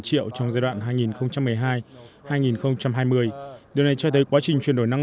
điều này cho thấy quá trình truyền đổi năng lượng là một nội dung quan trọng